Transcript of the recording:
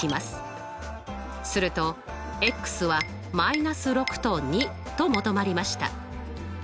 するとは−６と２と求まりました。